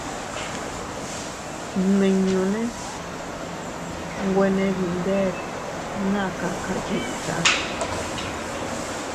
Nmiñune nwene dindet naa kakayiʼta.